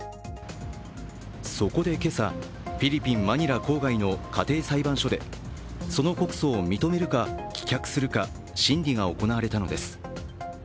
そこで今朝、フィリピン・マニラ郊外の家庭裁判所でその告訴を認めるか棄却するか審理が行われたのです。